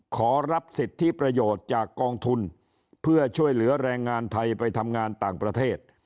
ขอรับสิทธิประโยชน์จากกองทุนเพื่อช่วยเหลือแรงงานไทยไปทำงานต่างประเทศ